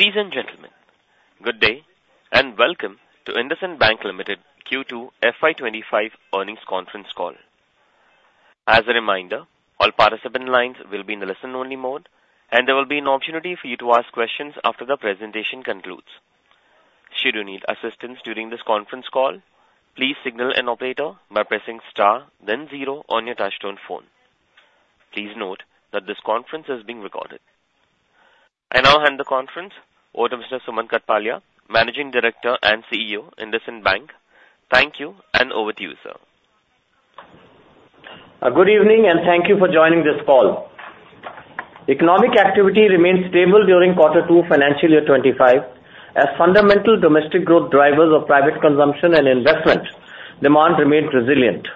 Ladies and gentlemen, good day, and welcome to IndusInd Bank Limited Q2 FY 2025 earnings conference call. As a reminder, all participant lines will be in the listen-only mode, and there will be an opportunity for you to ask questions after the presentation concludes. Should you need assistance during this conference call, please signal an operator by pressing star then zero on your touchtone phone. Please note that this conference is being recorded. I now hand the conference over to Mr. Sumant Kathpalia, Managing Director and CEO, IndusInd Bank. Thank you, and over to you, sir. Good evening, and thank you for joining this call. Economic activity remained stable during quarter two, financial year twenty-five, as fundamental domestic growth drivers of private consumption and investment demand remained resilient.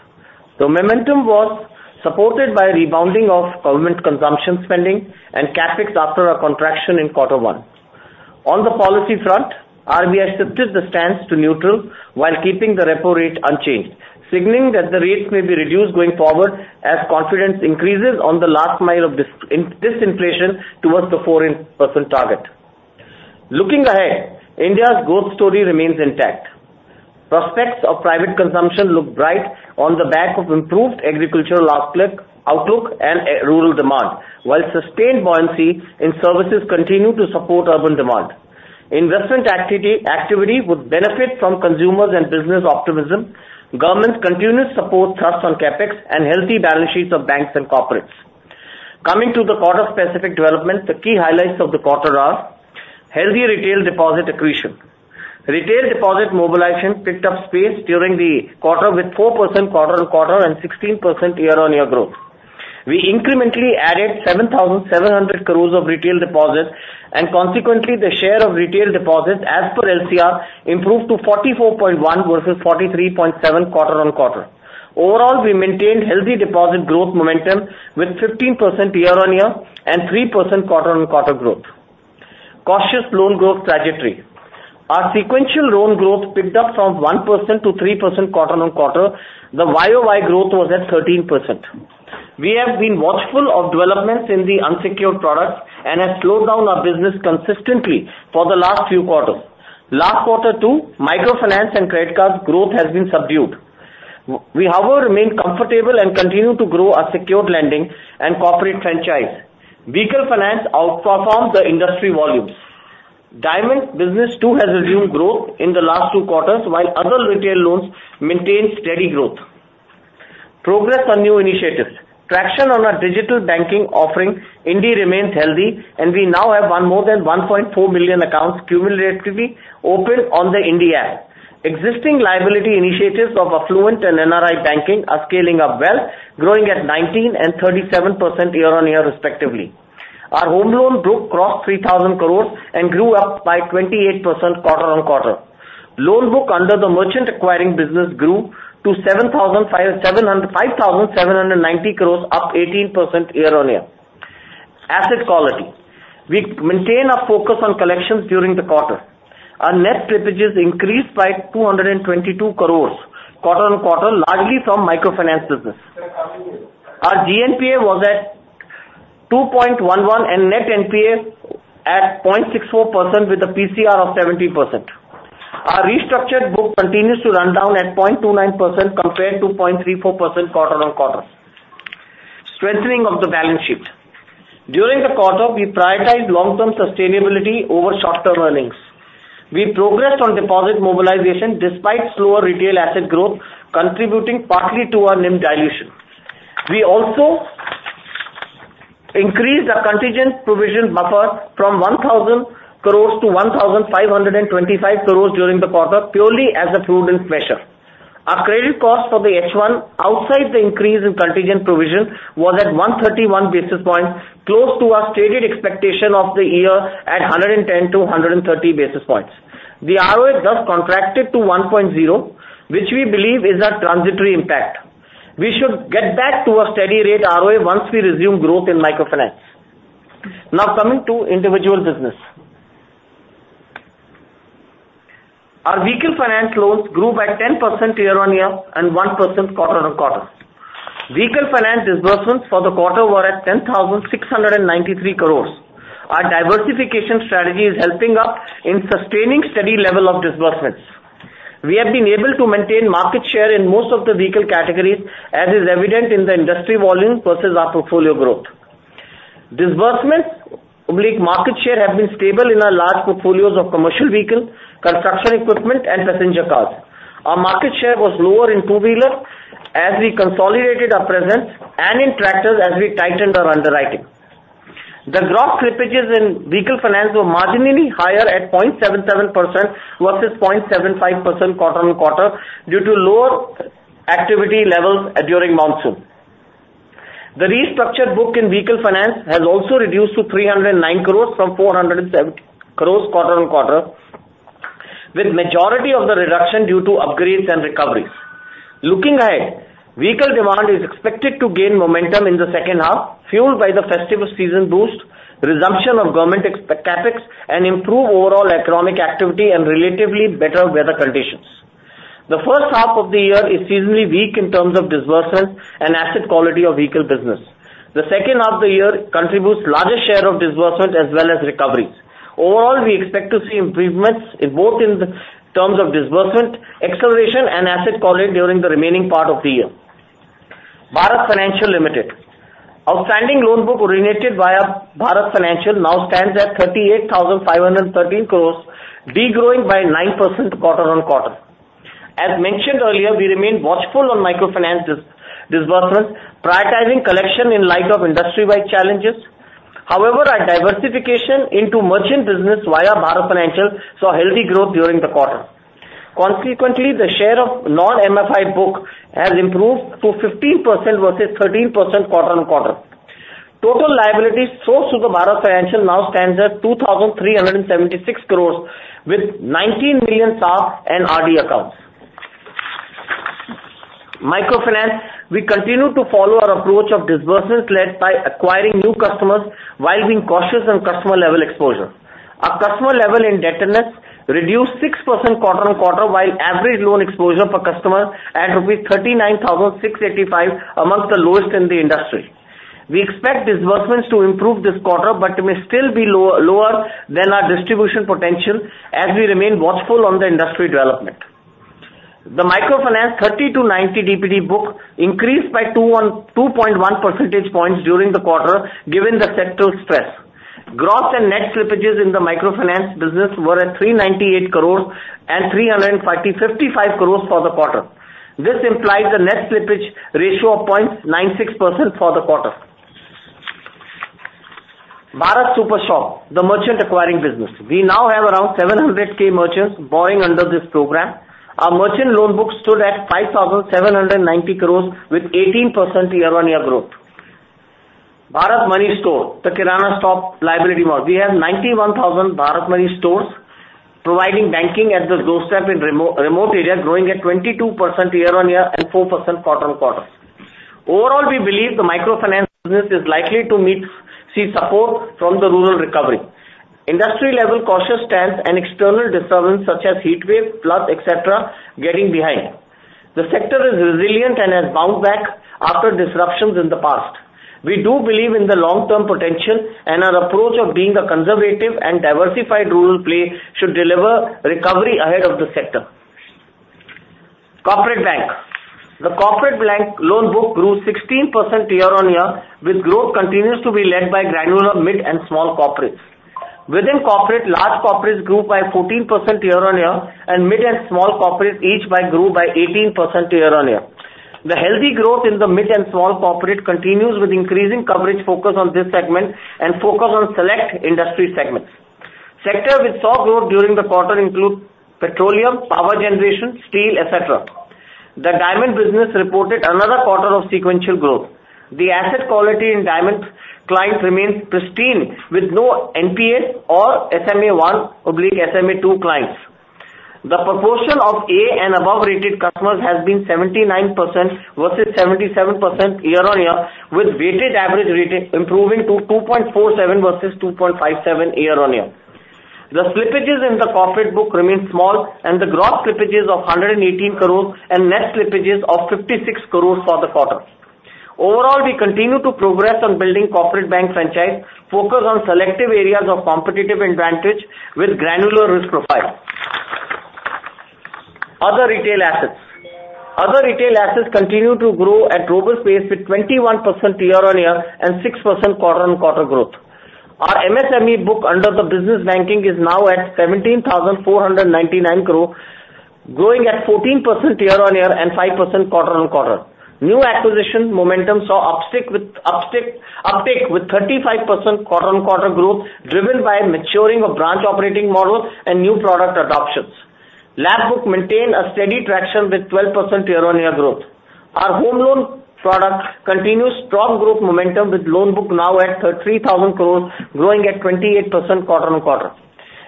The momentum was supported by a rebounding of government consumption spending and CapEx after a contraction in quarter one. On the policy front, RBI shifted the stance to neutral while keeping the repo rate unchanged, signaling that the rates may be reduced going forward as confidence increases on the last mile of disinflation towards the 4% target. Looking ahead, India's growth story remains intact. Prospects of private consumption look bright on the back of improved agricultural outlook and rural demand, while sustained buoyancy in services continue to support urban demand. Investment activity would benefit from consumers and business optimism, government's continuous support thrust on CapEx, and healthy balance sheets of banks and corporates. Coming to the quarter-specific developments, the key highlights of the quarter are: healthy retail deposit accretion. Retail deposit mobilization picked up pace during the quarter with 4% quarter-on-quarter and 16% year-on-year growth. We incrementally added 7,700 crore of retail deposits, and consequently, the share of retail deposits as per LCR improved to 44.1 versus 43.7 quarter-on-quarter. Overall, we maintained healthy deposit growth momentum with 15% year-on-year and 3% quarter-on-quarter growth. Cautious loan growth trajectory. Our sequential loan growth picked up from 1% to 3% quarter-on-quarter. The YOY growth was at 13%. We have been watchful of developments in the unsecured products and have slowed down our business consistently for the last few quarters. Last quarter, too, microfinance and credit card growth has been subdued. We, however, remain comfortable and continue to grow our secured lending and corporate franchise. Vehicle finance outperforms the industry volumes. Diamond business, too, has resumed growth in the last two quarters, while other retail loans maintain steady growth. Progress on new initiatives. Traction on our digital banking offering, INDIE, remains healthy, and we now have more than 1.4 million accounts cumulatively opened on the INDIE app. Existing liability initiatives of affluent and NRI banking are scaling up well, growing at 19% and 37% year-on-year, respectively. Our home loan book crossed 3,000 crores and grew up by 28% quarter-on-quarter. Loan book under the merchant acquiring business grew to 7,579 crores, up 18% year-on-year. Asset quality. We maintain our focus on collections during the quarter. Our net slippages increased by 222 crores quarter-on-quarter, largely from microfinance business. Our GNPA was at 2.11% and net NPA at 0.64% with a PCR of 70%. Our restructured book continues to run down at 0.29% compared to 0.34% quarter-on-quarter. Strengthening of the balance sheet. During the quarter, we prioritized long-term sustainability over short-term earnings. We progressed on deposit mobilization despite slower retail asset growth, contributing partly to our NIM dilution. We also increased our contingent provision buffer from 1,000 crores to 1,525 crores during the quarter, purely as a prudence measure. Our credit cost for the H1, outside the increase in contingent provision, was at 131 basis points, close to our stated expectation of the year at 110-130 basis points. The ROA thus contracted to 1.0, which we believe is a transitory impact. We should get back to a steady rate ROA once we resume growth in microfinance. Now, coming to individual business. Our vehicle finance loans grew by 10% year-on-year and 1% quarter-on-quarter. Vehicle finance disbursements for the quarter were at 10,693 crores. Our diversification strategy is helping us in sustaining steady level of disbursements. We have been able to maintain market share in most of the vehicle categories, as is evident in the industry volume versus our portfolio growth. Disbursement/market share has been stable in our large portfolios of commercial vehicles, construction equipment, and passenger cars. Our market share was lower in two-wheeler as we consolidated our presence and in tractors as we tightened our underwriting. The gross slippages in vehicle finance were marginally higher at 0.77% versus 0.75% quarter-on-quarter due to lower activity levels during monsoon. The restructured book in vehicle finance has also reduced to 309 crores from 407 crores quarter-on-quarter, with majority of the reduction due to upgrades and recoveries. Looking ahead, vehicle demand is expected to gain momentum in the second half, fueled by the festive season boost, resumption of government expe- CapEx, and improved overall economic activity and relatively better weather conditions. The first half of the year is seasonally weak in terms of disbursements and asset quality of vehicle business. The second half of the year contributes largest share of disbursement, as well as recoveries. Overall, we expect to see improvements in both in the terms of disbursement, acceleration, and asset quality during the remaining part of the year. Bharat Financial Limited. Outstanding loan book originated via Bharat Financial now stands at 38,513 crore, degrowing by 9% quarter on quarter. As mentioned earlier, we remain watchful on microfinance disbursement, prioritizing collection in light of industry-wide challenges. However, our diversification into merchant business via Bharat Financial saw healthy growth during the quarter. Consequently, the share of non-MFI book has improved to 15% versus 13% quarter on quarter. Total liabilities sourced through the Bharat Financial now stands at INR 2,376 crores, with 19 million Savings and RD accounts. Microfinance, we continue to follow our approach of disbursements led by acquiring new customers while being cautious on customer-level exposure. Our customer-level indebtedness reduced 6% quarter on quarter, while average loan exposure per customer at 39,685 rupees, among the lowest in the industry. We expect disbursements to improve this quarter, but may still be lower than our distribution potential, as we remain watchful on the industry development. The microfinance 30 to 90 DPD book increased by 2.1 percentage points during the quarter, given the sectoral stress. Gross and net slippages in the microfinance business were at 398 crores and 355 crores for the quarter. This implies a net slippage ratio of 0.96% for the quarter. Bharat Super Shop, the merchant acquiring business. We now have around 700,000 merchants borrowing under this program. Our merchant loan book stood at 5,790 crores with 18% year-on-year growth. Bharat Money Store, the Kirana store liability model. We have 91,000 Bharat Money stores providing banking at the doorstep in remote areas, growing at 22% year-on-year and 4% quarter on quarter. Overall, we believe the microfinance business is likely to meet, see support from the rural recovery. Industry-level cautious stance and external disturbance, such as heatwave, flood, et cetera, getting behind. The sector is resilient and has bounced back after disruptions in the past. We do believe in the long-term potential, and our approach of being a conservative and diversified rural play should deliver recovery ahead of the sector. Corporate bank. The corporate bank loan book grew 16% year-on-year, with growth continues to be led by granular, mid-, and small corporates. Within corporate, large corporates grew by 14% year-on-year, and mid- and small corporates each grew by 18% year-on-year. The healthy growth in the mid- and small corporate continues with increasing coverage focus on this segment and focus on select industry segments. Sectors which saw growth during the quarter include petroleum, power generation, steel, et cetera. The diamond business reported another quarter of sequential growth. The asset quality in diamond clients remains pristine, with no NPA or SMA-1/SMA-2 clients. The proportion of A and above-rated customers has been 79% versus 77% year-on-year, with weighted average rating improving to 2.47 versus 2.57 year-on-year. The slippages in the corporate book remain small, and the gross slippages of 118 crore and net slippages of 56 crore for the quarter. Overall, we continue to progress on building corporate bank franchise, focus on selective areas of competitive advantage with granular risk profile. Other retail assets. Other retail assets continue to grow at robust pace, with 21% year-on-year and 6% quarter-on-quarter growth. Our MSME book under the business banking is now at 17,499 crore, growing at 14% year-on-year and 5% quarter-on-quarter. New acquisition momentum saw uptick with uptake with 35% quarter-on-quarter growth, driven by maturing of branch operating models and new product adoptions. Loan book maintained a steady traction with 12% year-on-year growth. Our home loan product continues strong growth momentum, with loan book now at 30,000 crores, growing at 28% quarter-on-quarter.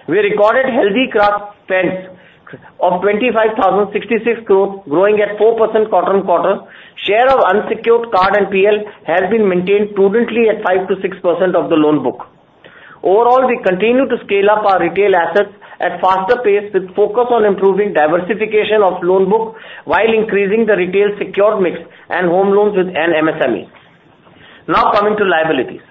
We recorded healthy card spends of 25,066 crores, growing at 4% quarter-on-quarter. Share of unsecured card NPL has been maintained prudently at 5-6% of the loan book. Overall, we continue to scale up our retail assets at faster pace, with focus on improving diversification of loan book, while increasing the retail secured mix and home loans with MSME. Now, coming to liabilities.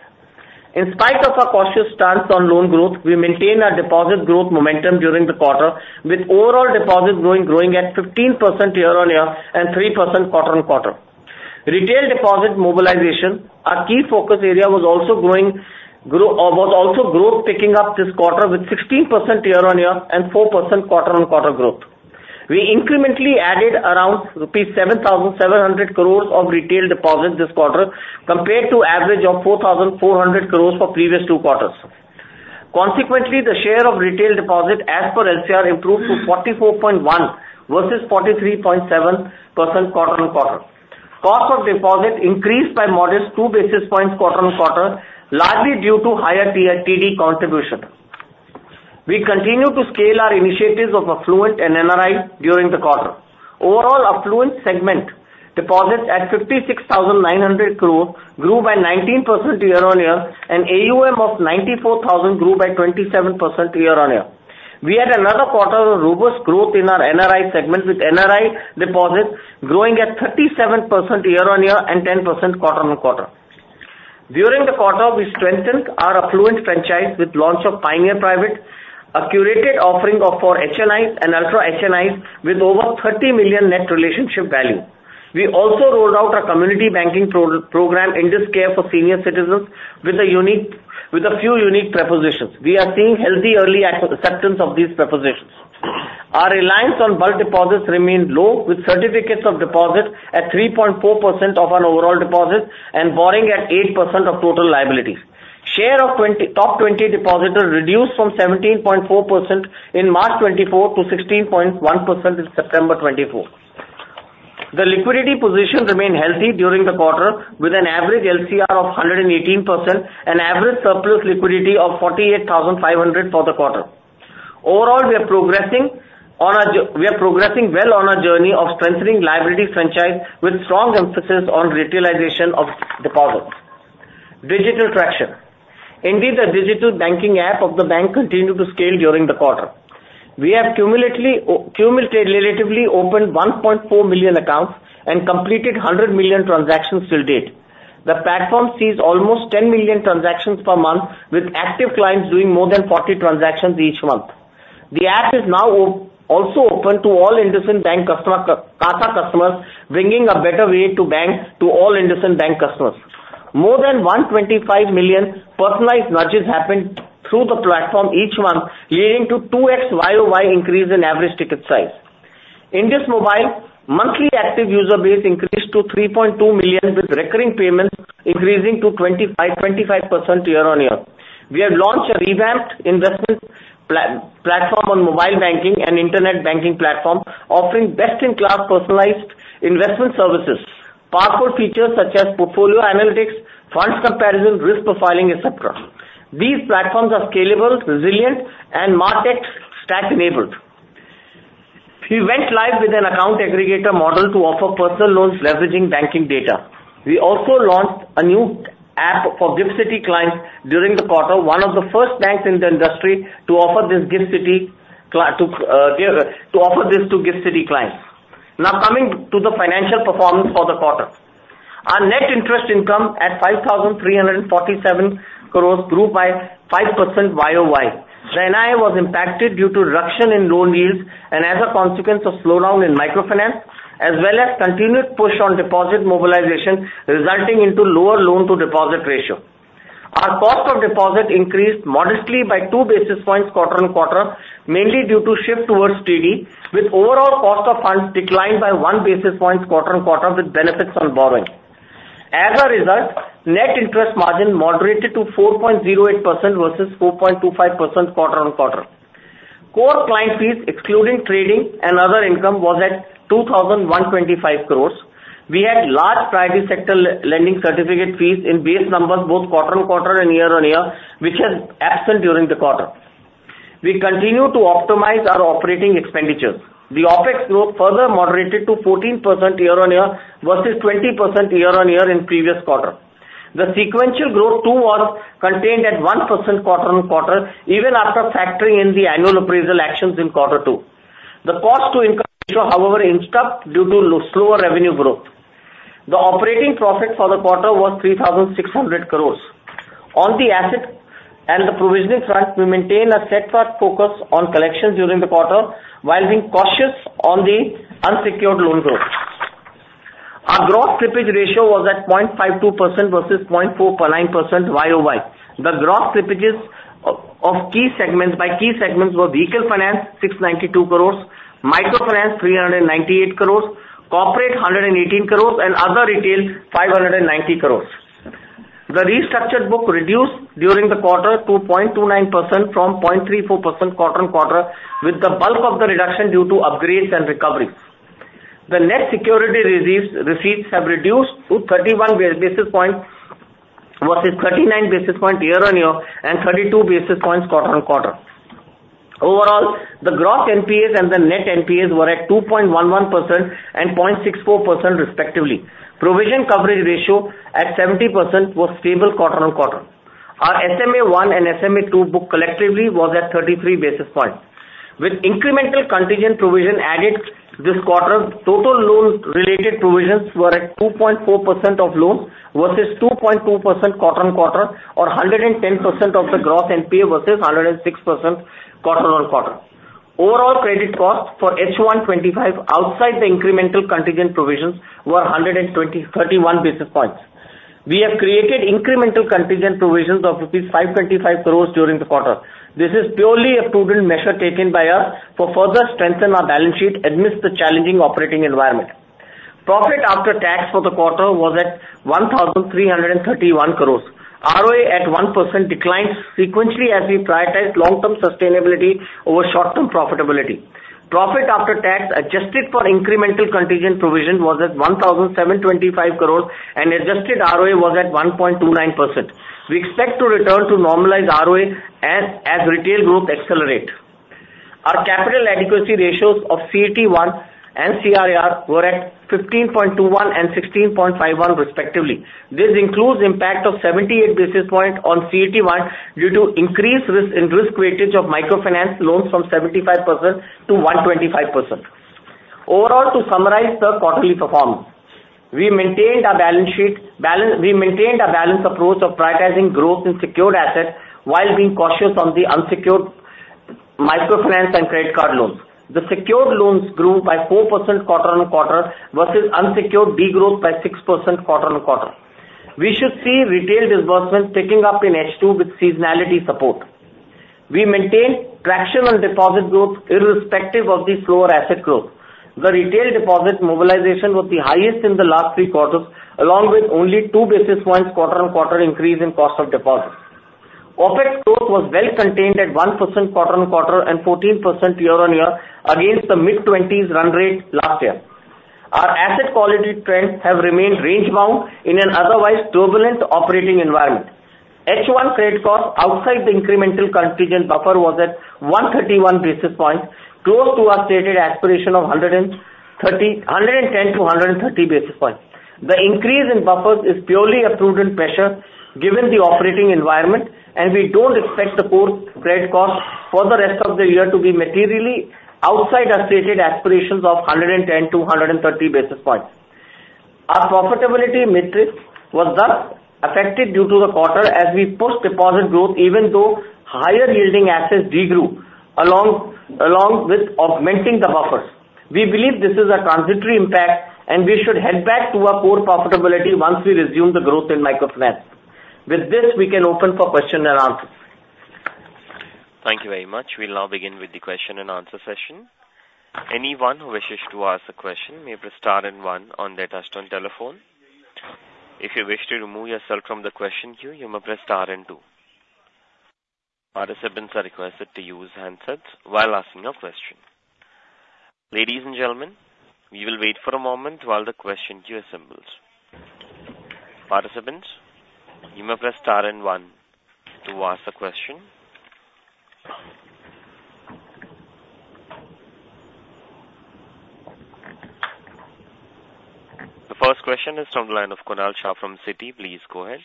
In spite of our cautious stance on loan growth, we maintained our deposit growth momentum during the quarter, with overall deposits growing at 15% year-on-year and 3% quarter-on-quarter. Retail deposit mobilization, our key focus area, was also growing. was also growth picking up this quarter with 16% year-on-year and 4% quarter-on-quarter growth. We incrementally added around 7,700 crore rupees of retail deposit this quarter, compared to average of 4,400 crore for previous two quarters. Consequently, the share of retail deposit as per LCR improved to 44.1 versus 43.7% quarter-on-quarter. Cost of deposit increased by modest 2 basis points quarter-on-quarter, largely due to higher Retail TD contribution. We continue to scale our initiatives of affluent and NRI during the quarter. Overall, affluent segment-... Deposits at 56,900 crore grew by 19% year-on-year, and AUM of 94,000 grew by 27% year-on-year. We had another quarter of robust growth in our NRI segment, with NRI deposits growing at 37% year-on-year and 10% quarter-on-quarter. During the quarter, we strengthened our affluent franchise with launch of Pioneer Private, a curated offering for HNIs and ultra HNIs, with over 30 million net relationship value. We also rolled out a community banking program, IndusCare, for senior citizens with a few unique propositions. We are seeing healthy early acceptance of these propositions. Our reliance on bulk deposits remained low, with certificates of deposit at 3.4% of our overall deposits and borrowing at 8% of total liabilities. Share of top 20 depositors reduced from 17.4% in March 2024 to 16.1% in September 2024. The liquidity position remained healthy during the quarter, with an average LCR of 118% and average surplus liquidity of 48,500 for the quarter. Overall, we are progressing well on our journey of strengthening liability franchise with strong emphasis on retailization of deposits. Digital traction. Indeed, the digital banking app of the bank continued to scale during the quarter. We have cumulatively opened 1.4 million accounts and completed 100 million transactions till date. The platform sees almost 10 million transactions per month, with active clients doing more than 40 transactions each month. The app is now also open to all IndusInd Bank customers, CASA customers, bringing a better way to bank to all IndusInd Bank customers. More than 125 million personalized nudges happened through the platform each month, leading to 2x YoY increase in average ticket size. IndusMobile monthly active user base increased to 3.2 million, with recurring payments increasing to 25% year-on-year. We have launched a revamped investment platform on mobile banking and internet banking platform, offering best-in-class personalized investment services, powerful features such as portfolio analytics, funds comparison, risk profiling, et cetera. These platforms are scalable, resilient, and MarTech stack-enabled. We went live with an account aggregator model to offer personal loans leveraging banking data. We also launched a new app for GIFT City clients during the quarter, one of the first banks in the industry to offer this to GIFT City clients. Now, coming to the financial performance for the quarter. Our net interest income at 5,347 crores grew by 5% Y-o-Y. NII was impacted due to reduction in loan yields and as a consequence of slowdown in microfinance, as well as continued push on deposit mobilization, resulting into lower loan-to-deposit ratio. Our cost of deposit increased modestly by two basis points quarter-on-quarter, mainly due to shift towards TD, with overall cost of funds declined by one basis point quarter-on-quarter, with benefits on borrowing. As a result, net interest margin moderated to 4.08% versus 4.25% quarter-on-quarter. Core client fees, excluding trading and other income, was at 2,125 crores. We had large priority sector lending certificate fees in base numbers, both quarter-on-quarter and year-on-year, which was absent during the quarter. We continue to optimize our operating expenditures. The OpEx growth further moderated to 14% year-on-year, versus 20% year-on-year in previous quarter. The sequential growth, too, was contained at 1% quarter-on-quarter, even after factoring in the annual appraisal actions in quarter two. The cost to income ratio, however, stuck due to slower revenue growth. The operating profit for the quarter was 3,600 crore. On the asset and the provisioning front, we maintain a steadfast focus on collections during the quarter, while being cautious on the unsecured loan growth. Our gross slippage ratio was at 0.52% versus 0.49% Y-o-Y. The gross slippages of key segments, by key segments, were vehicle finance, 692 crore; microfinance, 398 crore; corporate, 118 crore; and other retail, 590 crore. The restructured book reduced during the quarter to 0.29% from 0.34% quarter-on-quarter, with the bulk of the reduction due to upgrades and recoveries. The net security receipts have reduced to 31 basis points versus 39 basis points year-on-year and 32 basis points quarter-on-quarter. Overall, the gross NPAs and the net NPAs were at 2.11% and 0.64% respectively. Provision coverage ratio, at 70%, was stable quarter-on-quarter. Our SMA-1 and SMA-2 book collectively was at 33 basis points. With incremental contingent provision added this quarter, total loan-related provisions were at 2.4% of loans, versus 2.2% quarter-on-quarter, or 110% of the gross NPA, versus 106% quarter-on-quarter. Overall credit cost for H1 25, outside the incremental contingent provisions, were 131 basis points. We have created incremental contingent provisions of rupees 525 crores during the quarter. This is purely a prudent measure taken by us to further strengthen our balance sheet amidst the challenging operating environment. Profit after tax for the quarter was at 1,333 crores. ROA at 1% declined sequentially as we prioritized long-term sustainability over short-term profitability. Profit after tax, adjusted for incremental contingent provision, was at 1,725 crores, and adjusted ROA was at 1.29%. We expect to return to normalized ROA as retail growth accelerate. Our capital adequacy ratios of CET1 and CRAR were at 15.21 and 16.51, respectively. This includes impact of 78 basis points on CET1, due to increased risk in risk weight of microfinance loans from 75% to 125%. Overall, to summarize the quarterly performance, we maintained our balance sheet balance. We maintained our balanced approach of prioritizing growth in secured assets while being cautious on the unsecured microfinance and credit card loans. The secured loans grew by 4% quarter on quarter, versus unsecured de-growth by 6% quarter on quarter. We should see retail disbursements picking up in H2 with seasonality support. We maintained traction on deposit growth, irrespective of the slower asset growth. The retail deposit mobilization was the highest in the last three quarters, along with only two basis points quarter-on-quarter increase in cost of deposits. OpEx growth was well contained at 1% quarter-on-quarter and 14% year-on-year against the mid-twenties run rate last year. Our asset quality trends have remained range bound in an otherwise turbulent operating environment. H1 credit cost outside the incremental contingent buffer was at one thirty-one basis points, close to our stated aspiration of hundred and thirty- hundred and ten to hundred and thirty basis points. The increase in buffers is purely a prudent measure given the operating environment, and we don't expect the core credit cost for the rest of the year to be materially outside our stated aspirations of 110-130 basis points. Our profitability matrix was thus affected due to the quarter as we pushed deposit growth, even though higher yielding assets de-grew, along with augmenting the buffers. We believe this is a transitory impact, and we should head back to our core profitability once we resume the growth in microfinance. With this, we can open for question and answer. Thank you very much. We'll now begin with the question and answer session. Anyone who wishes to ask a question may press star and one on their touchtone telephone. If you wish to remove yourself from the question queue, you may press star and two. Our participants are requested to use handsets while asking a question. Ladies and gentlemen, we will wait for a moment while the question queue assembles. Participants, you may press star and one to ask a question. The first question is from the line of Kunal Shah from Citi. Please go ahead.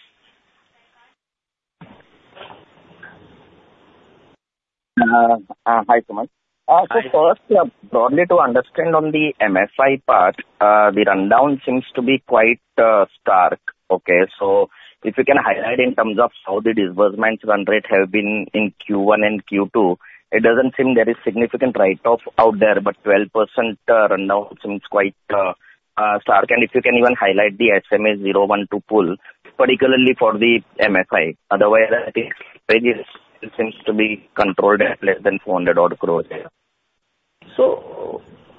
Hi, Sumant. So first, broadly to understand on the MFI part, the rundown seems to be quite stark, okay? So if you can highlight in terms of how the disbursements run rate have been in Q1 and Q2, it doesn't seem there is significant write-off out there, but 12% rundown seems quite stark. And if you can even highlight the SMA zero one two pool, particularly for the MFI. Otherwise, it seems to be controlled at less than 400 odd crores there.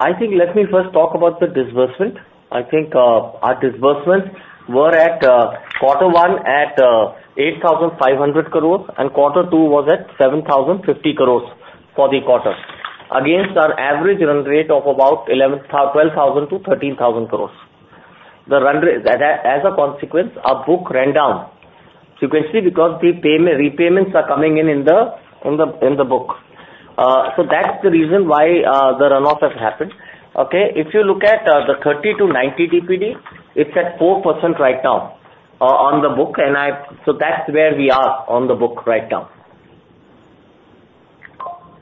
I think let me first talk about the disbursement. I think our disbursements were at quarter one at 8,500 crores, and quarter two was at 7,050 crores for the quarter. Against our average run rate of about eleven to twelve thousand to thirteen thousand crores. As a consequence, our book ran down sequentially because the repayments are coming in in the book. So that's the reason why the runoff has happened. Okay, if you look at the 30-90 DPD, it's at 4% right now on the book, and I... So that's where we are on the book right now.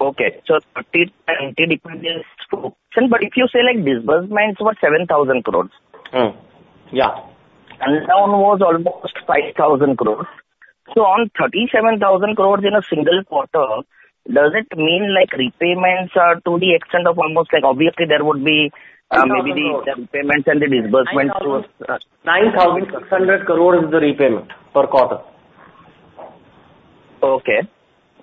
Okay. So 30-90 DPD is true. But if you say, like, disbursements were 7,000 crores- Hmm. Yeah. And down was almost 5,000 crores. So on 37,000 crores in a single quarter, does it mean, like, repayments are to the extent of almost like obviously, there would be, maybe the repayments and the disbursements was- 9,600 crores is the repayment per quarter. Okay.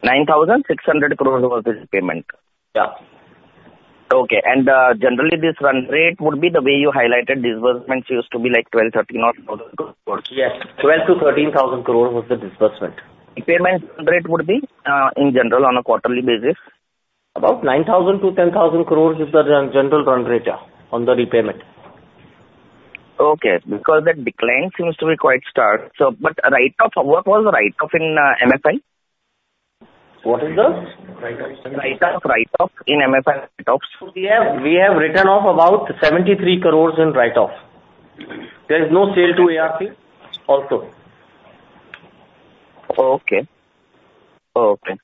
9,600 crores was the repayment? Yeah. Okay. And, generally this run rate would be the way you highlighted disbursements used to be like twelve, thirteen odd thousand crores? Yes. 12-13 thousand crores was the disbursement. Repayment rate would be, in general, on a quarterly basis? About 9,000-10,000 crores is the run, general run rate, yeah, on the repayment. Okay, because that decline seems to be quite stark, so but write-off, what was the write-off in MFI? What is the? Write-offs. Write-up, write-off in MFI write-offs. We have written off about 73 crores in write-off. There is no sale to ARC also. Okay. Okay,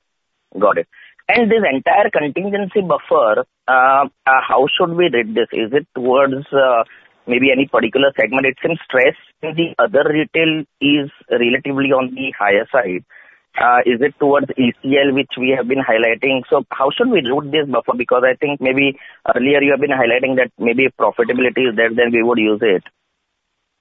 got it. And this entire contingency buffer, how should we read this? Is it towards, maybe any particular segment? It seems stress in the other retail is relatively on the higher side. Is it towards ECL, which we have been highlighting? So how should we read this buffer? Because I think maybe earlier you have been highlighting that maybe if profitability is there, then we would use it.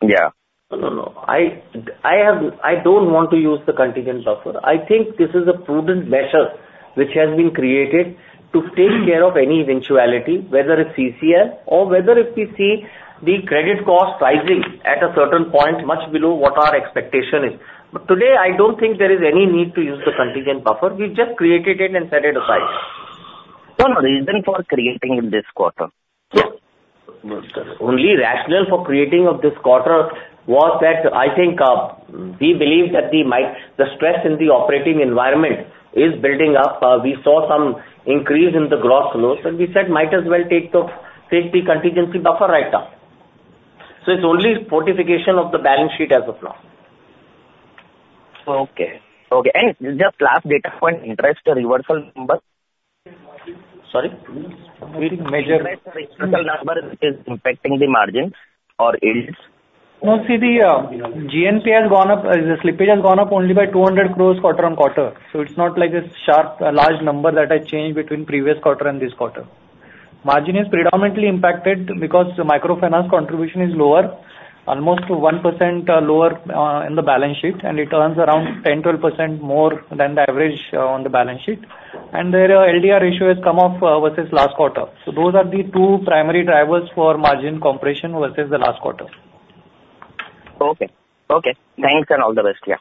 Yeah. No, no, no. I don't want to use the contingent buffer. I think this is a prudent measure which has been created to take care of any eventuality, whether it's CCL or whether if we see the credit cost rising at a certain point, much below what our expectation is. But today, I don't think there is any need to use the contingent buffer. We just created it and set it aside. So, reason for creating in this quarter?... Only rationale for creating of this quarter was that I think, we believe that the stress in the operating environment is building up. We saw some increase in the gross flows, and we said, might as well take the safety contingency buffer right now. So it's only fortification of the balance sheet as of now. Okay, and is the last data point interest reversal number? Sorry? With measure number which is impacting the margins or yields? No, see, the GNPA has gone up, the slippage has gone up only by 200 crore quarter on quarter, so it's not like a sharp, a large number that I changed between previous quarter and this quarter. Margin is predominantly impacted because the microfinance contribution is lower, almost 1% lower, in the balance sheet, and it earns around 10-12% more than the average, on the balance sheet. And their LDR ratio has come up, versus last quarter. So those are the two primary drivers for margin compression versus the last quarter. Okay. Okay. Thanks, and all the best. Yeah.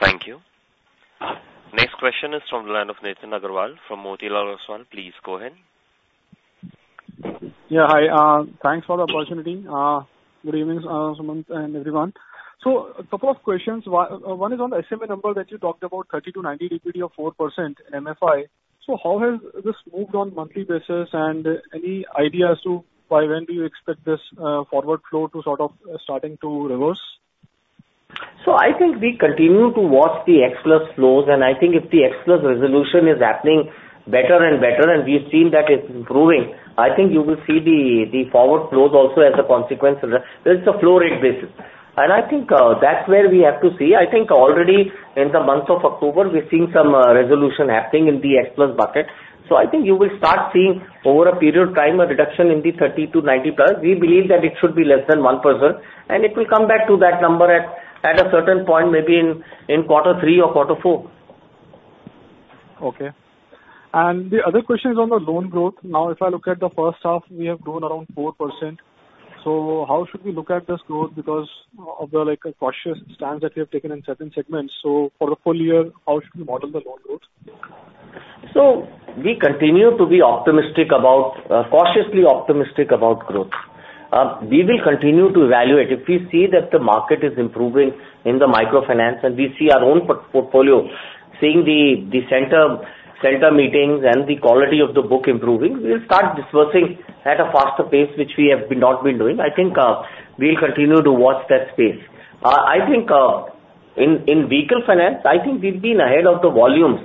Thank you. Next question is from the line of Nitin Aggarwal from Motilal Oswal. Please go ahead. Yeah, hi. Thanks for the opportunity. Good evening, Sumant and everyone. So a couple of questions. One is on the SMA number that you talked about, 30-90 DPD of 4% MFI. So how has this moved on monthly basis? And any ideas to, by when do you expect this forward flow to sort of starting to reverse? I think we continue to watch the 90 Plus flows, and I think if the 90 Plus resolution is happening better and better, and we've seen that it's improving. I think you will see the forward flows also as a consequence. There's a flow rate basis, and I think that's where we have to see. I think already in the month of October, we've seen some resolution happening in the 90 Plus bucket. So I think you will start seeing over a period of time a reduction in the 30-90 plus. We believe that it should be less than 1%, and it will come back to that number at a certain point, maybe in quarter three or quarter four. Okay. And the other question is on the loan growth. Now, if I look at the first half, we have grown around 4%. So how should we look at this growth? Because of the, like, a cautious stance that we have taken in certain segments. So for the full year, how should we model the loan growth? So we continue to be optimistic about, cautiously optimistic about growth. We will continue to evaluate. If we see that the market is improving in the microfinance and we see our own portfolio, seeing the center meetings and the quality of the book improving, we'll start disbursing at a faster pace, which we have not been doing. I think we'll continue to watch that space. I think in vehicle finance, I think we've been ahead of the volumes,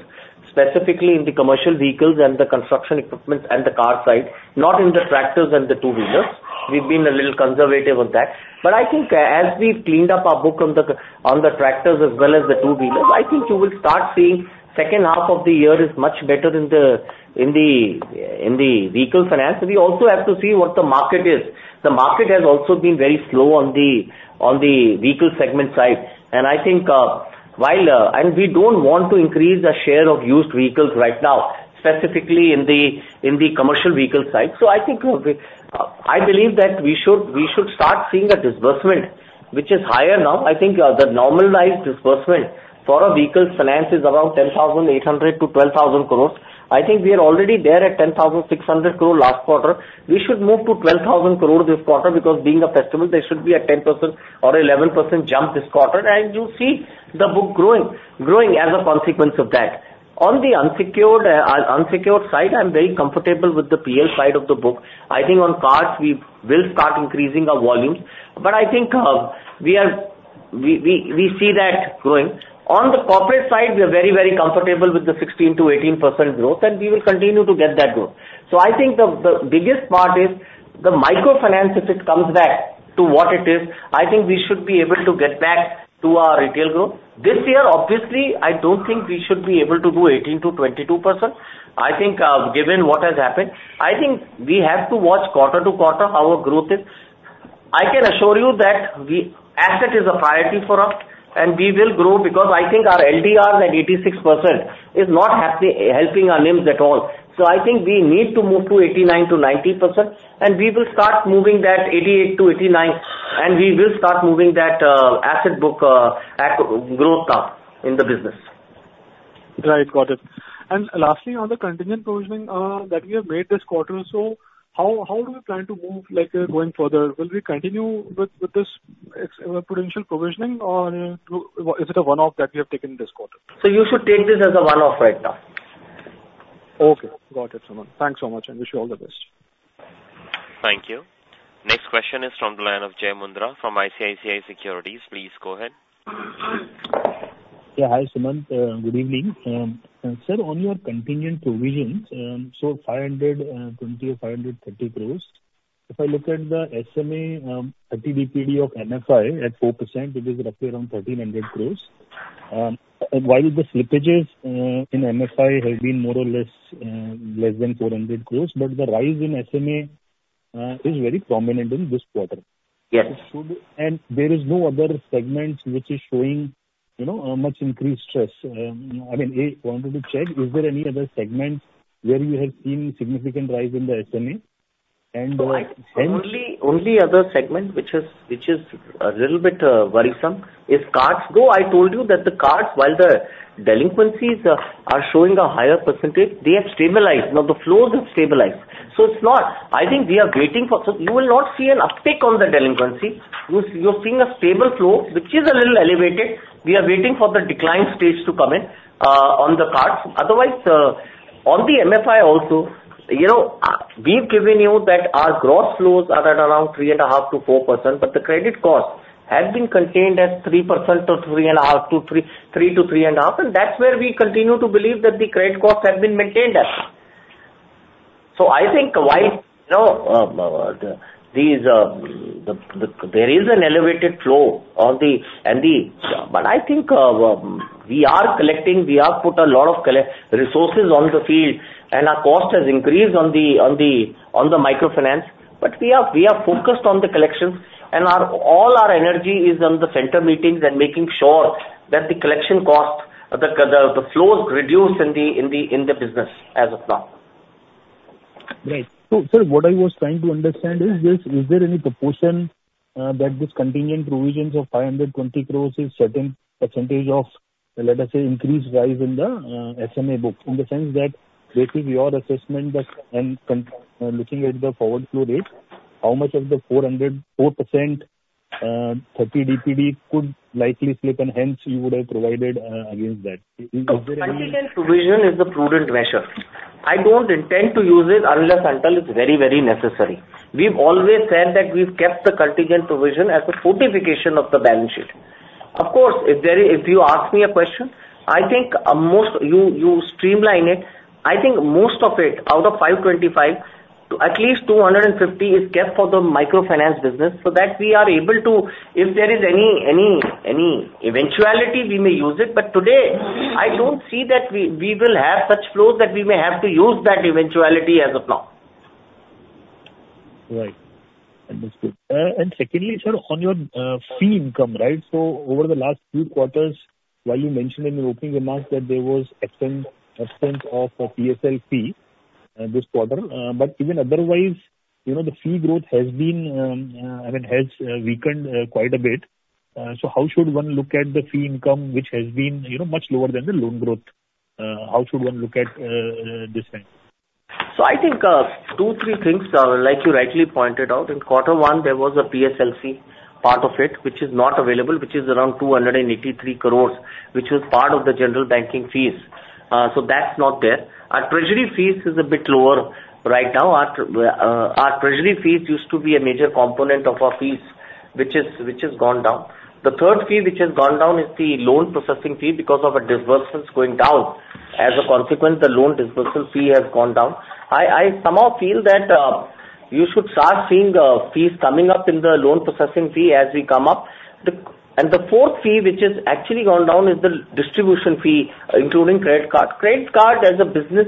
specifically in the commercial vehicles and the construction equipment and the car side, not in the tractors and the two-wheelers. We've been a little conservative on that. But I think as we've cleaned up our book on the, on the tractors as well as the two-wheelers, I think you will start seeing second half of the year is much better than the, in the, in the vehicle finance. We also have to see what the market is. The market has also been very slow on the, on the vehicle segment side. And I think. And we don't want to increase the share of used vehicles right now, specifically in the, in the commercial vehicle side. So I think, I believe that we should start seeing a disbursement which is higher now. I think the normalized disbursement for a vehicle finance is around 10,800 crore-12,000 crore. I think we are already there at 10,600 crore last quarter. We should move to 12,000 crore this quarter, because being a festival, there should be a 10% or 11% jump this quarter, and you'll see the book growing as a consequence of that. On the unsecured side, I'm very comfortable with the PL side of the book. I think on cards, we will start increasing our volumes, but I think we see that growing. On the corporate side, we are very comfortable with the 16%-18% growth, and we will continue to get that growth. So I think the biggest part is the microfinance, if it comes back to what it is, I think we should be able to get back to our retail growth. This year, obviously, I don't think we should be able to do 18%-22%. I think, given what has happened, I think we have to watch quarter to quarter how our growth is. I can assure you that we... asset is a priority for us, and we will grow because I think our LDR at 86% is not happy helping our NIMs at all. So I think we need to move to 89%-90%, and we will start moving that 88%-89%, and we will start moving that asset book at growth up in the business. Right. Got it. And lastly, on the contingent provisioning that we have made this quarter, so how do we plan to move, like, going further? Will we continue with this potential provisioning, or is it a one-off that we have taken this quarter? So you should take this as a one-off right now. Okay. Got it, Sumant. Thanks so much, and wish you all the best. Thank you. Next question is from the line of Jai Mundhra from ICICI Securities. Please go ahead. Yeah, hi, Sumant, good evening. Sir, on your contingent provisions, so 520 or 530 crore, if I look at the SMA 30 DPD of MFI at 4%, it is roughly around 1,300 crore. And while the slippages in MFI have been more or less less than 400 crore, but the rise in SMA is very prominent in this quarter. Yes. It should... And there is no other segments which is showing, you know, a much increased stress. I mean, I wanted to check, is there any other segment where you have seen significant rise in the SMA? And, and- Only other segment which is a little bit worrisome is cards. Though I told you that the cards, while the delinquencies are showing a higher percentage, they have stabilized. Now, the flows have stabilized. So it's not, I think we are waiting for, so you will not see an uptick on the delinquency. You're seeing a stable flow, which is a little elevated. We are waiting for the decline stage to come in on the cards. Otherwise, on the MFI also, you know, we've given you that our gross flows are at around 3.5%-4%, but the credit cost has been contained at 3%-3.5%, and that's where we continue to believe that the credit costs have been maintained at. I think there is an elevated flow on the and the but I think we are collecting. We have put a lot of collection resources on the field, and our cost has increased on the microfinance. But we are focused on the collections, and all our energy is on the center meetings and making sure that the collection cost, the flows reduce in the business as of now. Right. So, sir, what I was trying to understand is this, is there any proportion that this contingent provisions of 520 crore is certain percentage of, let us say, increased rise in the SMA book? In the sense that based your assessment that, and looking at the forward flow rate, how much of the 404% 30 DPD could likely slip and hence you would have provided against that. Is there any- Contingent provision is a prudent measure. I don't intend to use it unless until it's very, very necessary. We've always said that we've kept the contingent provision as a fortification of the balance sheet. Of course, if there is, if you ask me a question, I think most you streamline it. I think most of it, out of 525, at least 250 is kept for the microfinance business so that we are able to, if there is any eventuality, we may use it. But today, I don't see that we will have such flows that we may have to use that eventuality as of now. Right. Understood. And secondly, sir, on your fee income, right? So over the last few quarters, while you mentioned in your opening remarks that there was absence, absence of a PSLC, this quarter, but even otherwise, you know, the fee growth has been, I mean, has weakened quite a bit. So how should one look at the fee income, which has been, you know, much lower than the loan growth? How should one look at this trend? So I think two, three things, like you rightly pointed out, in quarter one, there was a PSLC part of it, which is not available, which is around 283 crore, which was part of the general banking fees. So that's not there. Our treasury fees is a bit lower right now. Our treasury fees used to be a major component of our fees, which is, which has gone down. The third fee, which has gone down is the loan processing fee because of a disbursements going down. As a consequence, the loan disbursement fee has gone down. I somehow feel that you should start seeing the fees coming up in the loan processing fee as we come up. And the fourth fee, which has actually gone down, is the distribution fee, including credit card. Credit card as a business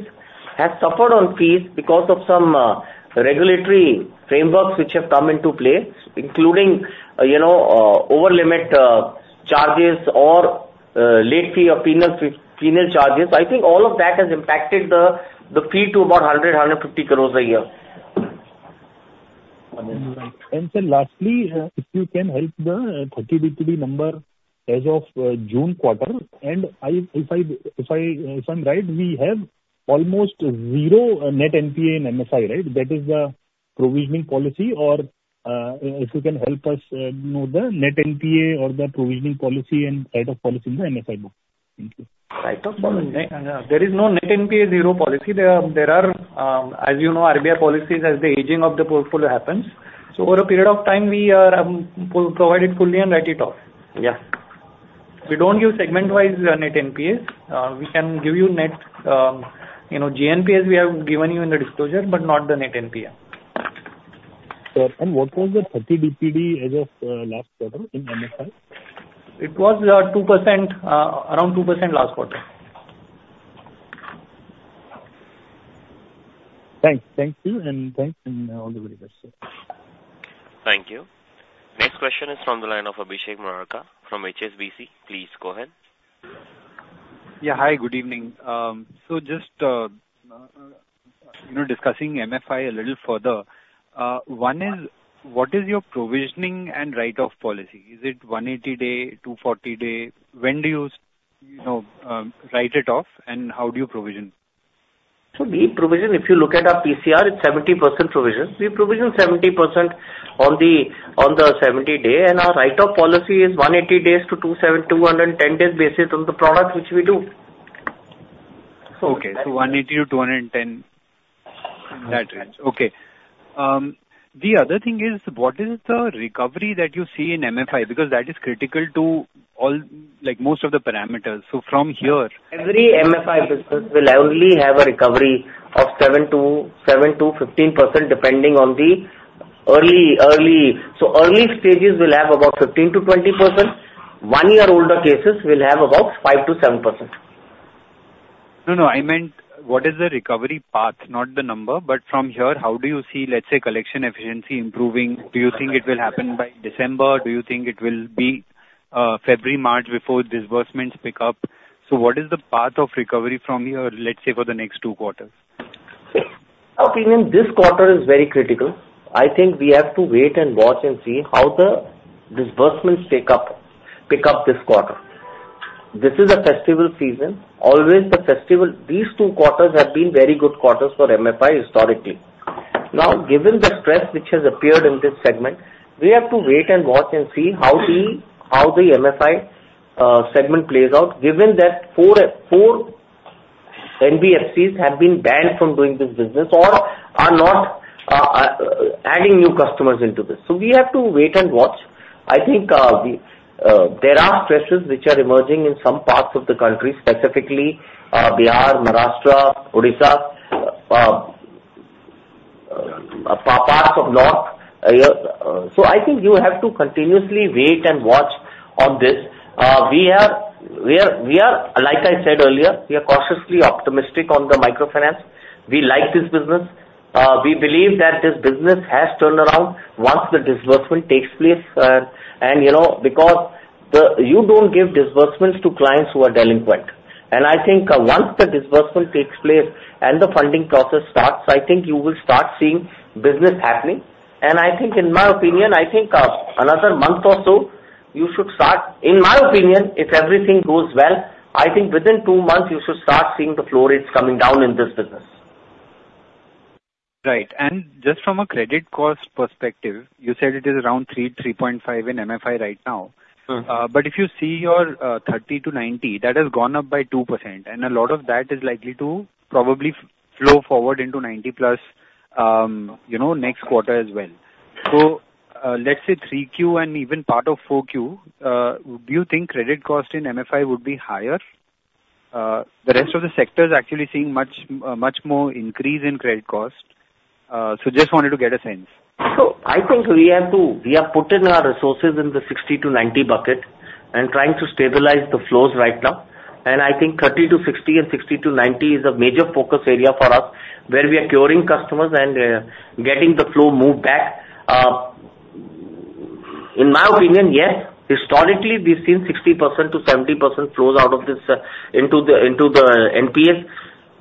has suffered on fees because of some regulatory frameworks which have come into play, including, you know, over-limit charges or late fee or penal fee, penal charges. I think all of that has impacted the fee to about 150 crore a year. Sir, lastly, if you can help with the 30 DPD number as of June quarter, and if I'm right, we have almost zero net NPA in MFI, right? That is the provisioning policy or if you can help us know the net NPA or the provisioning policy and write-off policy in the MFI book. Thank you. Write-off policy. There is no net NPA zero policy. There are, as you know, RBI policies, as the aging of the portfolio happens. So over a period of time, we provide it fully and write it off. Yeah. We don't use segment-wise net NPAs. We can give you net, you know, GNPAs, we have given you in the disclosure, but not the net NPA. Sir, and what was the thirty DPD as of last quarter in MFI? It was 2%, around 2% last quarter. Thanks. Thank you, and thanks, and all the very best. Thank you. Next question is from the line of Abhishek Murarka from HSBC. Please go ahead. Yeah, hi, good evening. So just, you know, discussing MFI a little further, one is: What is your provisioning and write-off policy? Is it 180 days, 240 days? When do you, you know, write it off, and how do you provision? So we provision. If you look at our PCR, it's 70% provision. We provision 70% on the 70-day, and our write-off policy is 180 days to 270, 210 days based on the products which we do. Okay, so 180 to 210, that range. Okay. The other thing is, what is the recovery that you see in MFI? Because that is critical to all, like, most of the parameters, so from here. Every MFI business will only have a recovery of 7%-15%, depending on the early... So early stages will have about 15%-20%. One year older cases will have about 5%-7%. No, no, I meant what is the recovery path, not the number, but from here, how do you see, let's say, collection efficiency improving? Do you think it will happen by December? Do you think it will be, February, March, before disbursements pick up? So what is the path of recovery from here, let's say, for the next two quarters? Our opinion, this quarter is very critical. I think we have to wait and watch and see how the disbursements pick up this quarter. This is a festival season. Always the festival, these two quarters have been very good quarters for MFI historically. Now, given the stress which has appeared in this segment, we have to wait and watch and see how the MFI segment plays out, given that four NBFCs have been banned from doing this business or are not adding new customers into this. So we have to wait and watch. I think there are stresses which are emerging in some parts of the country, specifically Bihar, Maharashtra, Odisha, parts of North. So I think you have to continuously wait and watch on this. Like I said earlier, we are cautiously optimistic on the microfinance. We like this business. We believe that this business has turned around once the disbursement takes place, and, you know, because you don't give disbursements to clients who are delinquent. And I think once the disbursement takes place and the funding process starts, I think you will start seeing business happening. And I think, in my opinion, another month or so, you should start. In my opinion, if everything goes well, I think within two months, you should start seeing the floor rates coming down in this business. Right. And just from a credit cost perspective, you said it is around 3-3.5 in MFI right now. Mm-hmm. But if you see your 30-90, that has gone up by 2%, and a lot of that is likely to probably flow forward into 90+, you know, next quarter as well. So, let's say 3Q and even part of 4Q, do you think credit cost in MFI would be higher? The rest of the sector is actually seeing much more increase in credit cost. So just wanted to get a sense. So I think we have to. We have put in our resources in the 60-90 bucket and trying to stabilize the flows right now. And I think 30-60 and 60-90 is a major focus area for us, where we are curing customers and getting the flow moved back. In my opinion, yes, historically, we've seen 60%-70% flows out of this into the NPAs.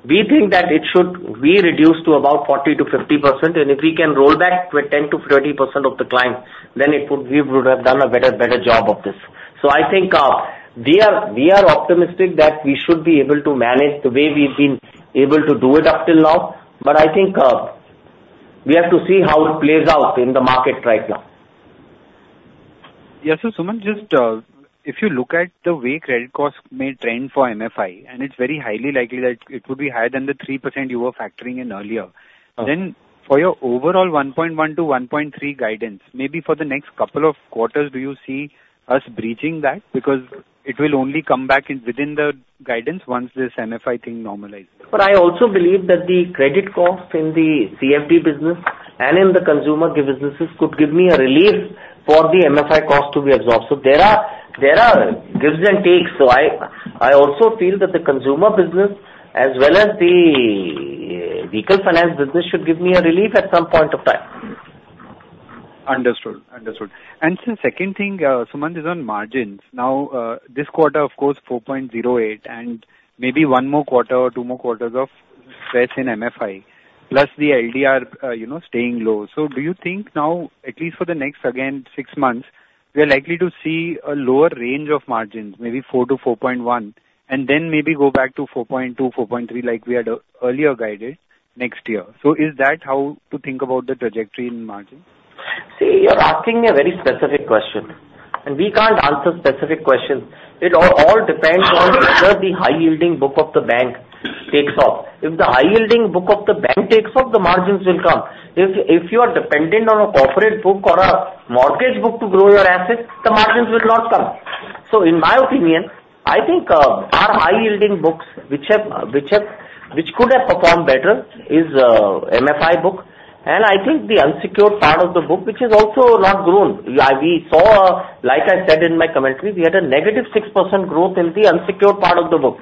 We think that it should be reduced to about 40%-50%, and if we can roll back to a 10%-30% of the clients, then it would. We would have done a better job of this. So I think we are optimistic that we should be able to manage the way we've been able to do it up till now, but I think we have to see how it plays out in the market right now. Yeah. So, Sumant, just, if you look at the way credit costs may trend for MFI, and it's very highly likely that it would be higher than the 3% you were factoring in earlier- Uh. Then for your overall one point one to one point three guidance, maybe for the next couple of quarters, do you see us breaching that? Because it will only come back in within the guidance once this MFI thing normalizes. But I also believe that the credit cost in the CFD business and in the consumer businesses could give me a relief for the MFI cost to be exhausted. There are gives and takes, so I also feel that the consumer business as well as the vehicle finance business should give me a relief at some point of time. Understood. So the second thing, Sumant, is on margins. Now, this quarter, of course, four point zero eight, and maybe one more quarter or two more quarters of stress in MFI, plus the LDR, you know, staying low. So do you think now, at least for the next, again, six months, we are likely to see a lower range of margins, maybe four to four point one, and then maybe go back to four point two, four point three, like we had earlier guided next year? So is that how to think about the trajectory in margins? See, you're asking me a very specific question, and we can't answer specific questions. It all depends on whether the high-yielding book of the bank takes off. If the high-yielding book of the bank takes off, the margins will come. If you are dependent on a corporate book or a mortgage book to grow your assets, the margins will not come. So in my opinion, I think our high-yielding books, which could have performed better, is MFI book, and I think the unsecured part of the book, which has also not grown. We saw, like I said in my commentary, we had a negative 6% growth in the unsecured part of the book.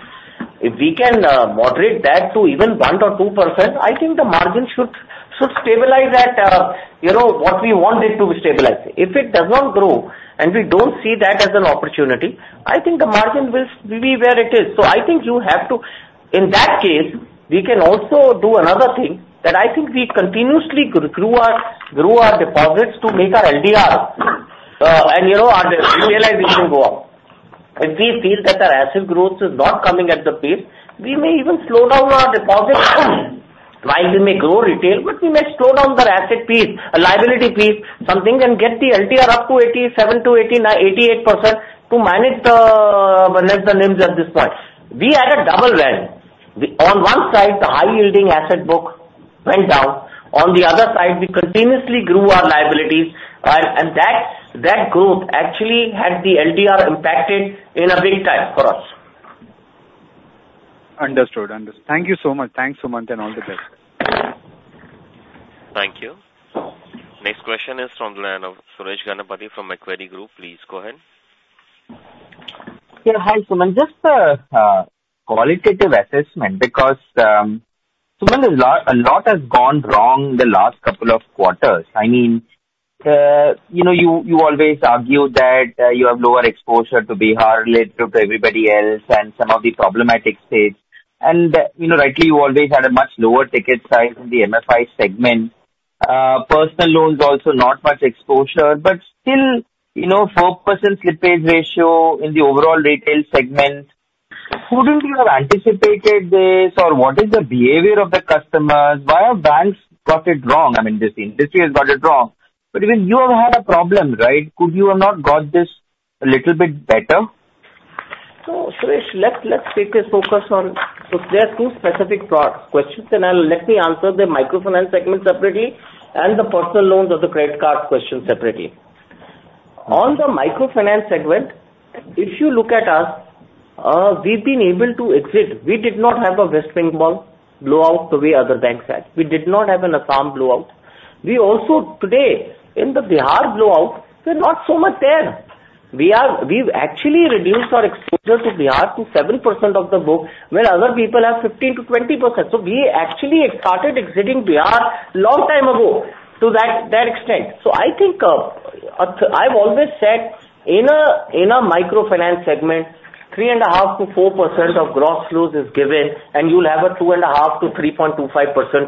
If we can moderate that to even 1% or 2%, I think the margin should stabilize at, you know, what we want it to be stabilized. If it does not grow and we don't see that as an opportunity, I think the margin will be where it is. So I think you have to. In that case, we can also do another thing, that I think we continuously grew our deposits to make our LDR and, you know, our realization go up. If we feel that our asset growth is not coming at the pace, we may even slow down our deposits. While we may grow retail, but we may slow down our asset pace, liability pace, something, and get the LDR up to 87%-89%, 88% to manage the NIMs at this point. We had a double whammy. On one side, the high-yielding asset book went down. On the other side, we continuously grew our liabilities, and that growth actually had the LDR impacted in a big time for us. Understood, understood. Thank you so much. Thanks, Sumant, and all the best. Thank you. Next question is from the line of Suresh Ganapathy from Macquarie Group. Please go ahead. Yeah, hi, Suman. Just qualitative assessment, because Suman, a lot has gone wrong in the last couple of quarters. I mean, you know, you always argue that you have lower exposure to Bihar related to everybody else and some of the problematic states. And you know, rightly, you always had a much lower ticket size in the MFI segment. Personal loans also not much exposure, but still, you know, 4% slippage ratio in the overall retail segment. Couldn't you have anticipated this? Or what is the behavior of the customers? Why have banks got it wrong? I mean, this industry has got it wrong. But even you have had a problem, right? Could you have not got this a little bit better? Suresh, let's take a focus on. There are two specific questions, and let me answer the microfinance segment separately and the personal loans or the credit card question separately. On the microfinance segment, if you look at us, we've been able to exit. We did not have a West Bengal blowout the way other banks had. We did not have an Assam blowout. We also, today, in the Bihar blowout, we're not so much there. We are. We've actually reduced our exposure to Bihar to 7% of the book, where other people have 15%-20%. We actually started exiting Bihar long time ago to that extent. So I think, I've always said, in a microfinance segment, 3.5%-4% of gross flows is given, and you'll have a 2.5%-3.25%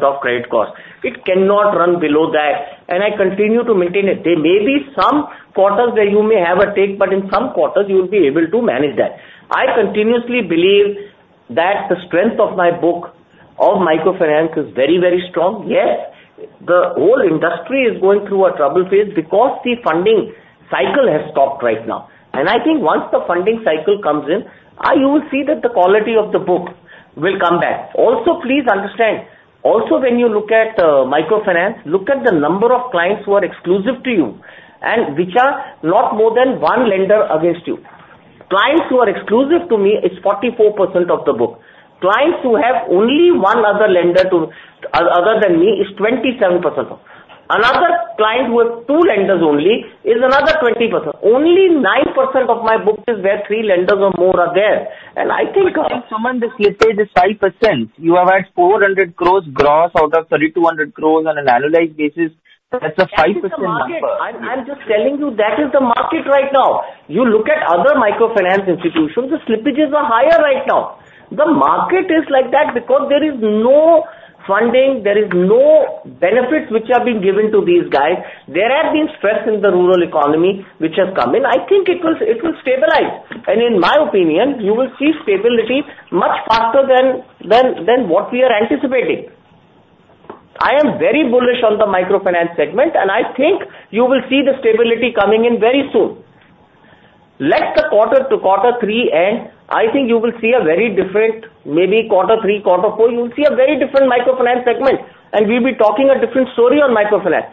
of credit cost. It cannot run below that, and I continue to maintain it. There may be some quarters where you may have a take, but in some quarters you'll be able to manage that. I continuously believe that the strength of my book of microfinance is very, very strong. Yes, the whole industry is going through a trouble phase because the funding cycle has stopped right now. And I think once the funding cycle comes in, you will see that the quality of the book will come back. Also, please understand, also when you look at microfinance, look at the number of clients who are exclusive to you and which are not more than one lender against you. Clients who are exclusive to me is 44% of the book. Clients who have only one other lender other than me is 27%. Another client who has two lenders only is another 20%. Only 9% of my book is where three lenders or more are there. And I think. Sumant, the slippage is 5%. You have had 400 crores gross out of 3,200 crores on an annualized basis. That's a 5% number. That is the market. I'm just telling you, that is the market right now. You look at other microfinance institutions, the slippages are higher right now. The market is like that because there is no funding, there is no benefits which are being given to these guys. There has been stress in the rural economy, which has come, and I think it will stabilize. In my opinion, you will see stability much faster than what we are anticipating. I am very bullish on the microfinance segment, and I think you will see the stability coming in very soon. Let the quarter to Quarter Three end, I think you will see a very different, maybe Quarter Three, Quarter Four, you will see a very different microfinance segment, and we'll be talking a different story on microfinance.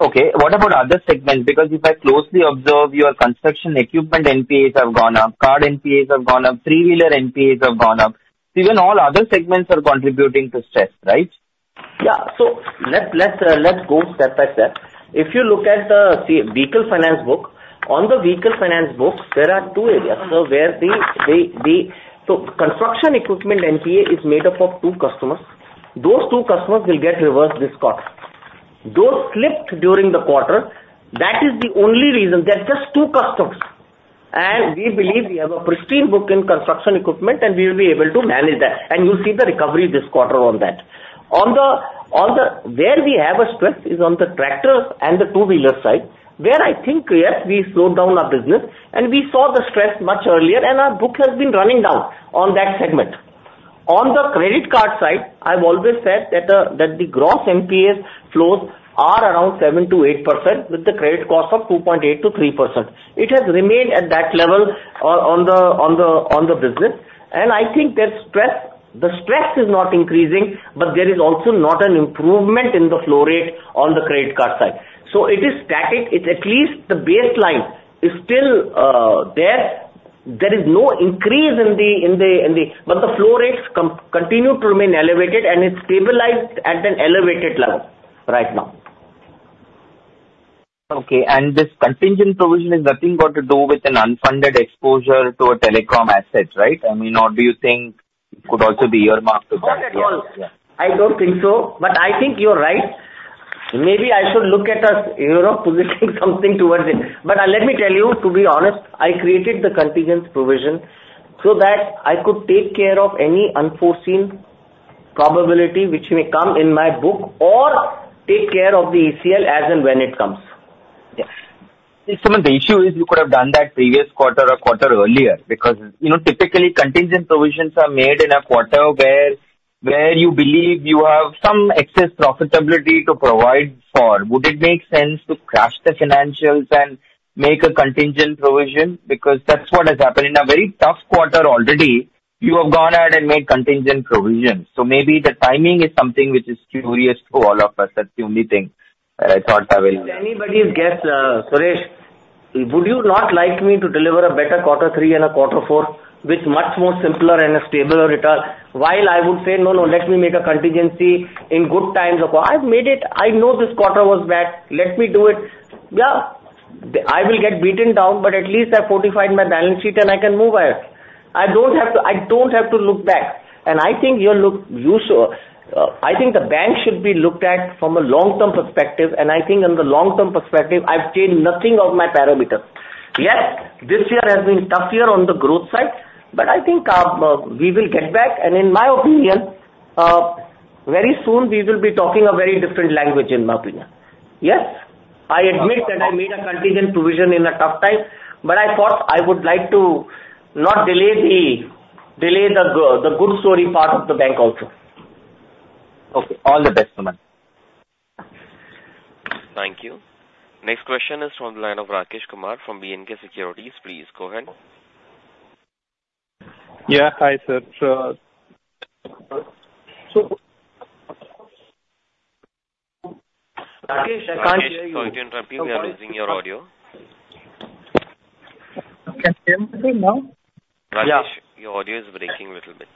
Okay, what about other segments? Because if I closely observe, your construction equipment NPAs have gone up, car NPAs have gone up, three-wheeler NPAs have gone up. Even all other segments are contributing to stress, right? Yeah. So let's go step by step. If you look at the, say, vehicle finance book, on the vehicle finance book, there are two areas. So construction equipment NPA is made up of two customers. Those two customers will get reversed this quarter. Those slipped during the quarter, that is the only reason. They're just two customers, and we believe we have a pristine book in construction equipment, and we will be able to manage that, and you'll see the recovery this quarter on that. On the. Where we have a strength is on the tractors and the two-wheeler side, where I think, yes, we slowed down our business and we saw the stress much earlier and our book has been running down on that segment. On the credit card side, I've always said that the gross NPA flows are around 7-8%, with the credit cost of 2.8-3%. It has remained at that level on the business, and I think that the stress is not increasing, but there is also not an improvement in the flow rate on the credit card side. So it is static. It's at least the baseline is still there. There is no increase in the... But the flow rates continue to remain elevated, and it's stabilized at an elevated level right now. Okay, and this contingent provision is nothing got to do with an unfunded exposure to a telecom asset, right? I mean, or do you think could also be earmarked to that? Not at all. Yeah. I don't think so, but I think you're right. Maybe I should look at us, you know, positioning something towards it. But, let me tell you, to be honest, I created the contingent provision so that I could take care of any unforeseen probability which may come in my book or take care of the ECL as and when it comes. Yes. Sumant, the issue is you could have done that previous quarter or quarter earlier, because, you know, typically, contingent provisions are made in a quarter where, where you believe you have some excess profitability to provide for. Would it make sense to crash the financials and make a contingent provision? Because that's what has happened. In a very tough quarter already, you have gone ahead and made contingent provisions. So maybe the timing is something which is curious to all of us. That's the only thing that I thought I will- Anybody's guess, Suresh, would you not like me to deliver a better Quarter Three and a Quarter Four with much more simpler and a stabler return, while I would say, "No, no, let me make a contingency in good times of..." I've made it. I know this quarter was bad. Let me do it. Yeah, I will get beaten down, but at least I've fortified my balance sheet and I can move ahead. I don't have to, I don't have to look back, and I think you're. I think the bank should be looked at from a long-term perspective, and I think in the long-term perspective, I've changed nothing of my parameters. Yes, this year has been tough year on the growth side, but I think, we will get back, and in my opinion, very soon we will be talking a very different language in my opinion. Yes, I admit that I made a contingent provision in a tough time, but I thought I would like to not delay the good story part of the bank also. Okay, all the best, Sumant. Thank you. Next question is from the line of Rakesh Kumar from BNK Securities. Please go ahead. Yeah. Hi, sir. So, Rakesh, I can't hear you. Rakesh, sorry to interrupt you. We are losing your audio. Can you hear me now? Rakesh, your audio is breaking a little bit.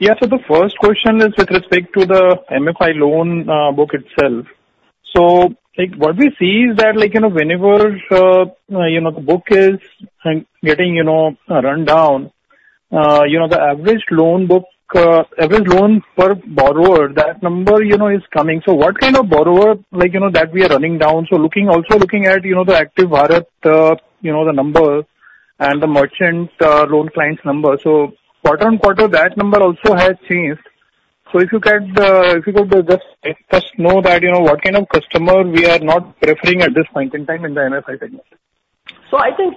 Yeah. So the first question is with respect to the MFI loan book itself. So, like, what we see is that, like, you know, whenever the book is getting, you know, run down, the average loan book average loan per borrower, that number, you know, is coming. So what kind of borrower, like, you know, that we are running down? So, also looking at, you know, the active borrower number and the merchant loan clients number. So quarter on quarter, that number also has changed. So if you can, if you could, just let us know that, you know, what kind of customer we are not acquiring at this point in time in the MFI business? So I think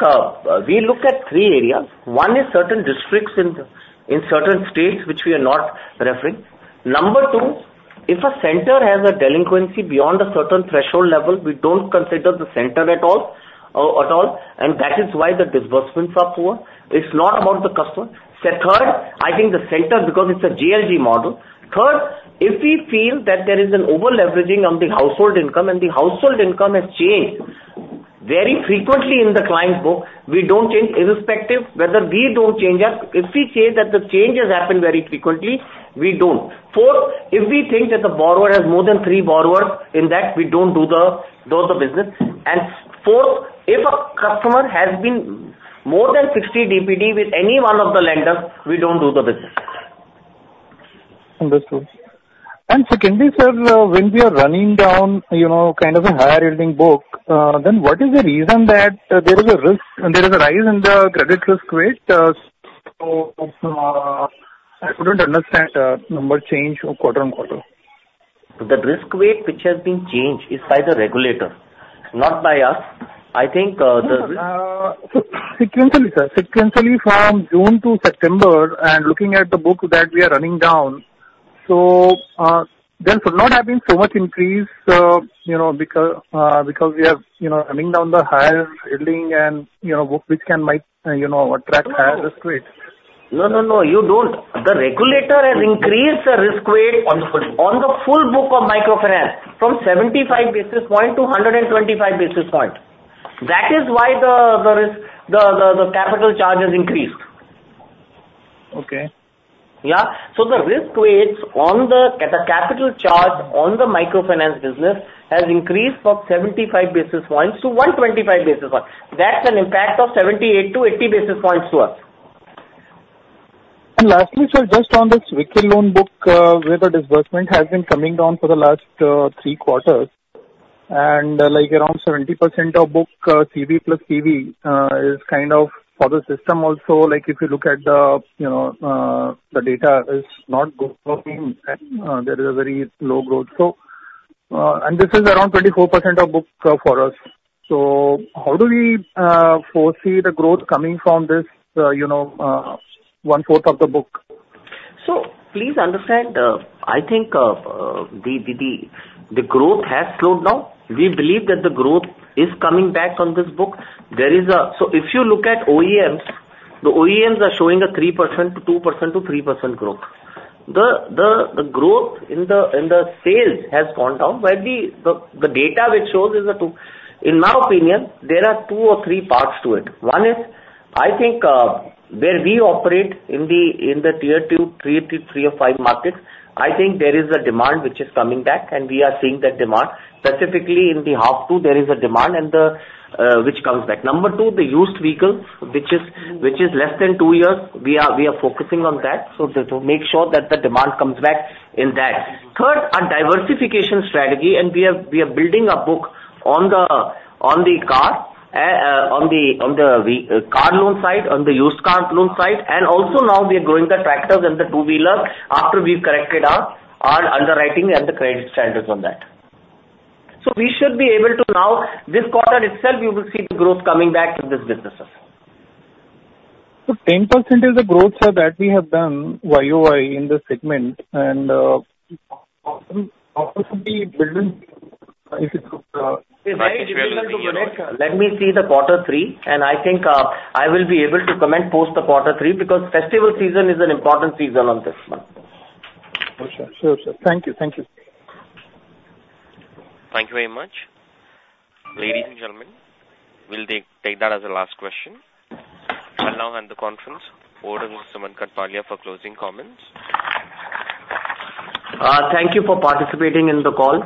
we look at three areas. One is certain districts in certain states which we are not referring. Number two, if a center has a delinquency beyond a certain threshold level, we don't consider the center at all, and that is why the disbursements are poor. It's not about the customer. Second, I think the center, because it's a JLG model. Third, if we feel that there is an over-leveraging on the household income, and the household income has changed very frequently in the client's book, we don't change, irrespective whether we don't change or... If we change that, the change has happened very frequently, we don't. Four, if we think that the borrower has more than three borrowers in that, we don't do the business. Fourth, if a customer has been more than 60 DPD with any one of the lenders, we don't do the business. Understood. And secondly, sir, when we are running down, you know, kind of a higher-yielding book, then what is the reason that there is a risk, there is a rise in the credit risk weight? So, I couldn't understand, number change quarter on quarter. The risk weight which has been changed is by the regulator, not by us. I think, Sequentially, sir, from June to September and looking at the book that we are running down, so there should not have been so much increase, you know, because we are, you know, running down the higher yielding and, you know, book which can might, you know, attract higher risk weights. No, no, no, you don't. The regulator has increased the risk weight- On the full book. on the full book of microfinance from 75 basis points to 125 basis points. That is why the risk, the capital charge has increased. Okay. Yeah. So the risk weights on the capital charge on the microfinance business has increased from 75 basis points to 125 basis points. That's an impact of 78-80 basis points to us. Lastly, sir, just on this vehicle loan book, where the disbursement has been coming down for the last three quarters, and like, around 70% of book, CE plus CV, is kind of for the system also. Like, if you look at the, you know, the data is not growing, there is a very low growth. So, and this is around 24% of book, for us. So how do we foresee the growth coming from this, you know, one-fourth of the book? So please understand, I think, the growth has slowed down. We believe that the growth is coming back on this book. There is a... So if you look at OEMs, the OEMs are showing a 3% to 2% to 3% growth. The growth in the sales has gone down, but the data which shows is the two. In my opinion, there are two or three parts to it. One is, I think, where we operate in the Tier Two, Three to Tier Five markets, I think there is a demand which is coming back, and we are seeing that demand. Specifically, in the half two, there is a demand and the which comes back. Number two, the used vehicle, which is less than two years, we are focusing on that, so to make sure that the demand comes back in that. Third, a diversification strategy, and we are building a book on the car loan side, on the used car loan side, and also now we are growing the tractors and the two-wheeler after we've corrected our underwriting and the credit standards on that. So we should be able to now, this quarter itself, you will see the growth coming back in these businesses. So 10% is the growth, sir, that we have done Y-o-Y in this segment, and possibly within It's very difficult to predict. Let me see the quarter three, and I think, I will be able to comment post the quarter three, because festival season is an important season on this one. Sure, sir. Sure, sir. Thank you. Thank you. Thank you very much. Ladies and gentlemen, we'll take that as the last question. I'll now hand the conference over to Sumant Kathpalia for closing comments. Thank you for participating in the call.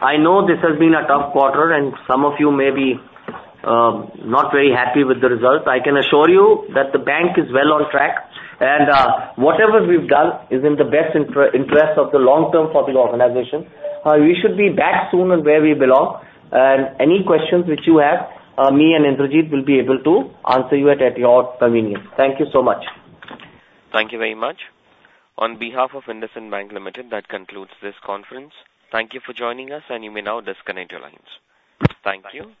I know this has been a tough quarter, and some of you may be not very happy with the results. I can assure you that the bank is well on track, and whatever we've done is in the best interest of the long term for the organization. We should be back soon on where we belong, and any questions which you have, me and Indrajit will be able to answer you at your convenience. Thank you so much. Thank you very much. On behalf of IndusInd Bank Limited, that concludes this conference. Thank you for joining us, and you may now disconnect your lines. Thank you.